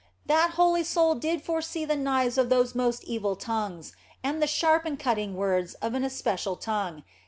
That holy soul did foresee the knives of those most evil tongues, and the sharp and cutting words of each especial tongue.